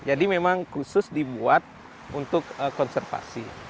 jadi memang khusus dibuat untuk konservasi